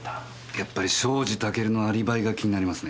やっぱり庄司タケルのアリバイが気になりますね。